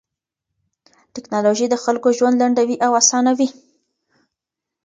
ټکنالوژي د خلکو ژوند لنډوي او اسانوي.